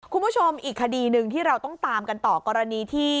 คุณผู้ชมอีกคดีหนึ่งที่เราต้องตามกันต่อกรณีที่